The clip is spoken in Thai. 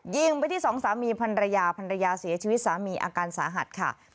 ยิงไปที่สองสามีพันรยาพันรยาเสียชีวิตสามีอาการสาหัสค่ะ